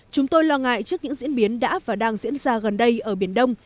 chúng tôi lo ngại trước những diễn biến đã và đang diễn ra gần đây ở biển đông